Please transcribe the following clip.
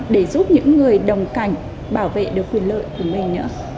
để giúp những người đồng cảnh bảo vệ được quyền lợi của mình nữa